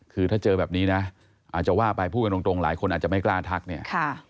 คือถ้าเจอแบบนี้นะอาจจะว่าไปพูดกันตรงหลายคนอาจจะไม่กล้าทักเนี่ย